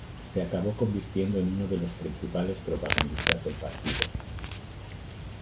Se acabó convirtiendo en uno de los principales propagandistas del partido.